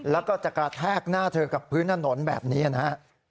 แล้วก็จะกระแทกหน้าเธอกับพื้นถนนแบบนี้นะฮะ